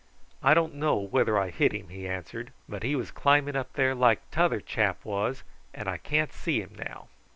"I don't know whether I hit him," he answered; "but he was climbing up there like t'other chap was, and I can't see him now."